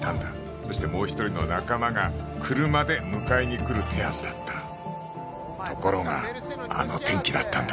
そしてもう一人の仲間が車で迎えに来る手はずだったところがあの天気だったんだ